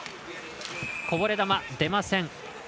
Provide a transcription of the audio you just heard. こぼれ球、出ません。